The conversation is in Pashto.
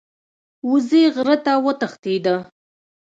وزې غره ته وتښتیده.